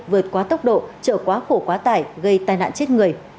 vượt quá tốc độ chợ quá khổ quá tải gây tai nạn chết người